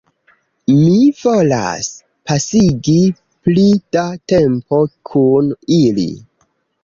Mi volas pasigi pli da tempo kun ili